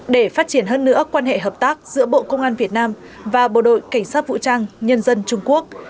để phát triển hơn nữa quan hệ hợp tác giữa bộ công an việt nam và bộ đội cảnh sát vũ trang nhân dân trung quốc